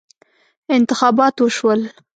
انتخابات وشول.